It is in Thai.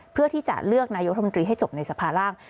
เพื่อที่จะเลือกนายกรัฐมนตรีให้จบในสภาร่าง